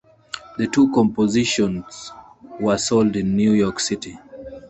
The two compositions were sold in New York City.